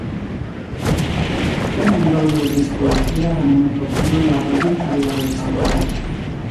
Zein ondorio ditu biharamuneko pilula baldintzarik gabe saltzeak?